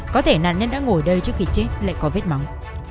có thể nạn nhân đã ngồi đây trước khi chết lại có vết máu